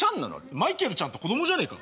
マイケルちゃんって子供じゃねえか。